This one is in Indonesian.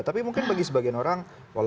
tapi mungkin bagi sebagian orang